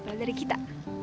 pada dari kita